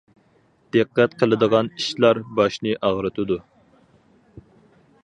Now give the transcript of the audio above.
دىققەت قىلىدىغان ئىشلار : باشنى ئاغرىتىدۇ.